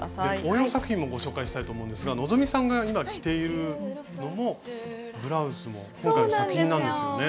応用作品もご紹介したいと思うんですが希さんが今着ているのもブラウスも今回の作品なんですよね。